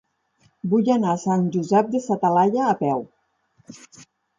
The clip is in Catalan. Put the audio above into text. Vull anar a Sant Josep de sa Talaia a peu.